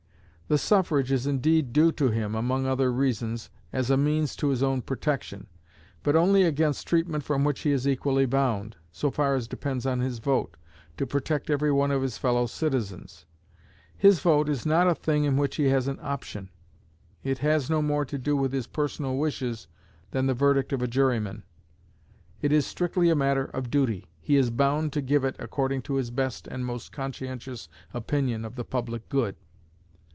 The suffrage is indeed due to him, among other reasons, as a means to his own protection, but only against treatment from which he is equally bound, so far as depends on his vote, to protect every one of his fellow citizens. His vote is not a thing in which he has an option; it has no more to do with his personal wishes than the verdict of a juryman. It is strictly a matter of duty; he is bound to give it according to his best and most conscientious opinion of the public good.